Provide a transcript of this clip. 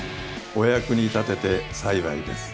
お役に立てて幸いです。